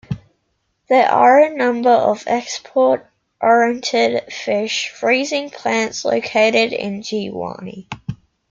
There are a number of export oriented fish freezing plants located in Jiwani.